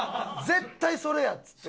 絶対それや！っつって。